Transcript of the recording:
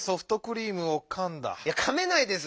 いやかめないです。